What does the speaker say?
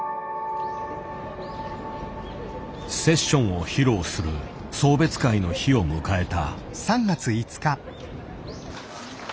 セッションを披露する送別会の日を迎えた。